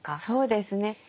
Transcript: そうですね。